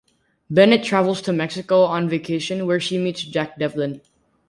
Bennett travels to Mexico, on vacation, where she meets Jack Devlin.